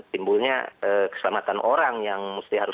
timbulnya keselamatan orang yang harus kita lakukan